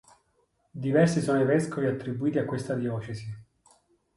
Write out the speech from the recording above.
Diversi sono i vescovi attribuiti a questa diocesi.